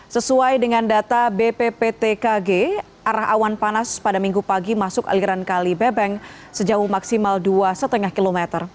sesuai dengan data bpptkg arah awan panas pada minggu pagi masuk aliran kali bebeng sejauh maksimal dua lima km